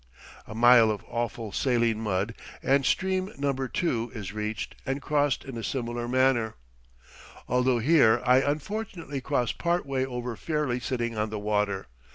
A mile of awful saline mud, and stream number two is reached and crossed in a similar manner although here I unfortunately cross part way over fairly sitting on the water.